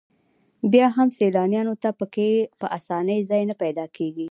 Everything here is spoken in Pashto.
بیا هم سیلانیانو ته په کې په اسانۍ ځای نه پیدا کېږي.